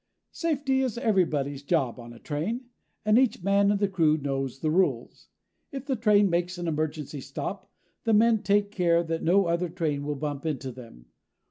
Safety is everybody's job on a train, and each man in the crew knows the rules. If the train makes an emergency stop, the men take care that no other train will bump into them.